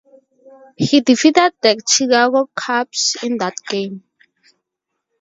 He defeated the Chicago Cubs in that game.